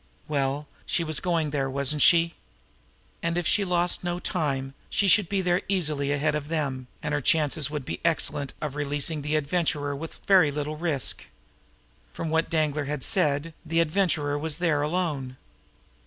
Well, she was going there, wasn't she? And if she lost no time she should be there easily ahead of them, and her chances would be excellent of releasing the Adventurer with very little risk. From what Danglar had said, the Adventurer was there alone.